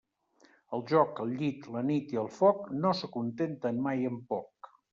El joc, el llit, la nit i el foc no s'acontenten mai amb poc.